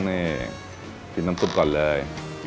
นี่กินน้ำซุปก่อนเลย